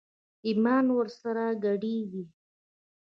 ايمان ور سره ګډېږي.